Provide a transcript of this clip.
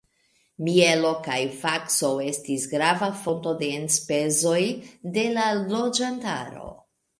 Mielo kaj vakso estis grava fonto de enspezoj de la loĝantaro.